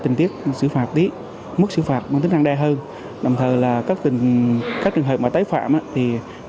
dịch vụ xử phạt tí mức xử phạt bằng tính năng đe hơn đồng thời là các trường hợp mà tái phạm thì